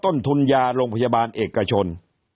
ต้นทุนยาโรงพยาบาลเอกชน